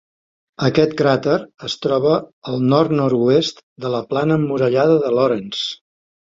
Aquest cràter es troba al nord-nord-oest de la plana emmurallada de Lorentz.